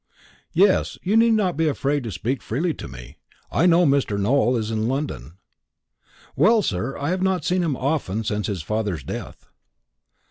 "Yes; you need not be afraid to speak freely to me; I know Mr. Nowell is in London." "Well, sir, I've not seen him often since his father's death."